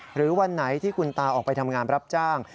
วันไหนที่คุณตาออกไปทำงานรับจ้าง